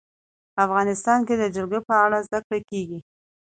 افغانستان کې د جلګه په اړه زده کړه کېږي.